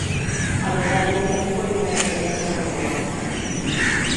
A verdade é que foi unha experiencia moi boa.